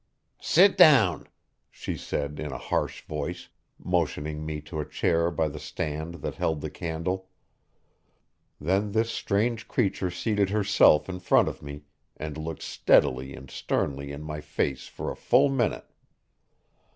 "Sit down," she said in a harsh voice, motioning me to a chair by the stand that held the candle. Then this strange creature seated herself in front of me, and looked steadily and sternly in my face for a full minute.